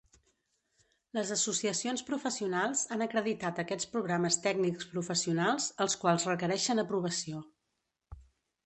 Les associacions professionals han acreditat aquests programes tècnics-professionals, els quals requereixen aprovació.